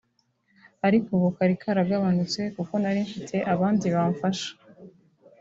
ariko ubu kari karagabanutse kuko nari mfite abandi bamfasha